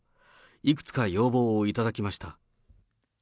いくつか要望を頂きました。